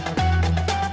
saya juga ngantuk